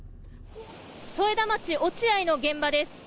添田町落合の現場です。